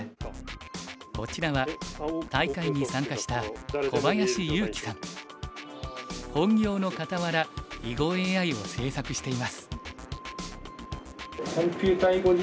こちらは大会に参加した本業のかたわら囲碁ＡＩを制作しています。